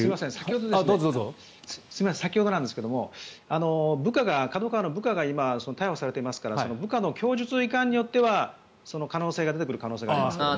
すいません先ほどなんですけどＫＡＤＯＫＡＷＡの部下が逮捕されていますから部下の供述いかんによっては可能性が出てくる可能性があります。